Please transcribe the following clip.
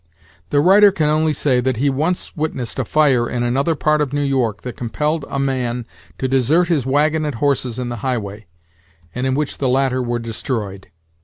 The writer can only say that he once witnessed a fire in another part of New York that compelled a man to desert his wagon and horses in the highway, and in which the latter were destroyed.